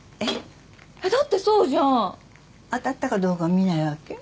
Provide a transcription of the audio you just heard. えっ？だってそうじゃん当たったかどうか見ないわけ？